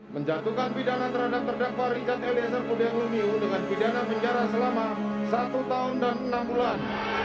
menjatuhkan pidana terhadap terdakwa richard eliezer budiang lumiu dengan pidana penjara selama satu tahun dan enam bulan